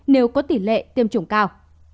nếu có tỷ lệ tiêm chủng cao